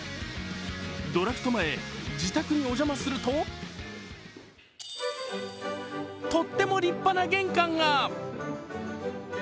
ドラフト前、自宅にお邪魔するととっても立派な玄関が。